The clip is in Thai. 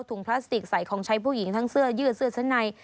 พลาสติกใส่ของใช้ผู้หญิงทั้งเสื้อยืดเสื้อชั้นใน